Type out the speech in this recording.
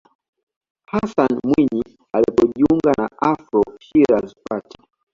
hassan mwinyi alipojiunga na afro shiraz party